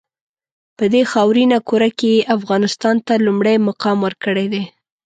په دې خاورینه کُره کې یې افغانستان ته لومړی مقام ورکړی دی.